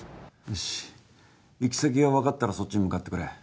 よし行き先が分かったらそっちに向かってくれ